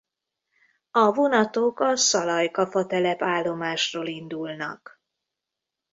A vonatok a Szalajka-Fatelep állomásról indulnak.